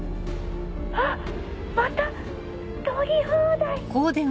あっまた取り放題！